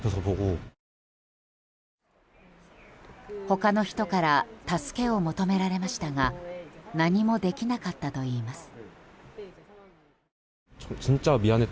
他の人から助けを求められましたが何もできなかったといいます。